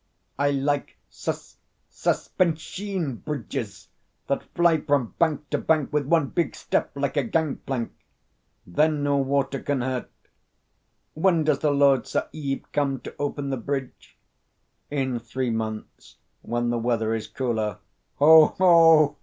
I like sus sus pen sheen bridges that fly from bank to bank with one big step, like a gang plank. Then no water can hurt. When does the Lord Sahib come to open the bridge?" "In three months, when the weather is cooler." "Ho! ho!